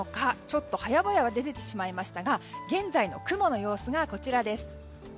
ちょっと早々と出てしまいましたが現在の雲の様子がこちらです。